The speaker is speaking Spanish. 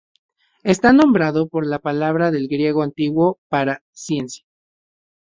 Está nombrado por la palabra del griego antiguo para "ciencia".